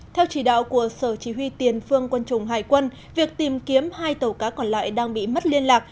theo chỉ đạo của sở chỉ huy tiền phương quân chủng hải quân việc tìm kiếm hai tàu cá còn lại đang bị mất liên lạc